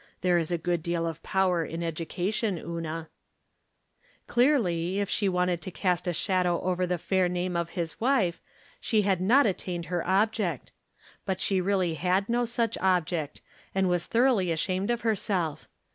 There is a good deal of power in education, Una." Clearly, if she wanted to cast a shadow over the fair name of his wife, she had not attained From Different Standpoints. 117 her object ; but sbe really had no such object, and was thoroughly ashamed of herself.